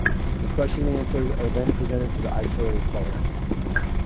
The question and answers are then presented to the isolated player.